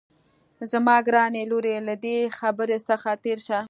زما ګرانې لورې له دې خبرې څخه تېره شه